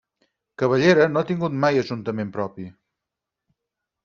Cavallera no ha tingut mai ajuntament propi.